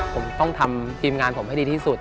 ผมต้องทำทีมงานผมให้ดีที่สุด